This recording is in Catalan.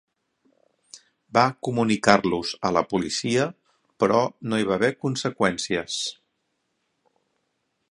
Va comunicar-los a la policia, però no hi va haver conseqüències.